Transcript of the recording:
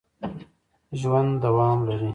ژوند دوام لري